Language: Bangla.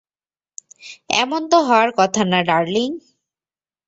এমনতো হওয়ার কথা না, ডার্লিং।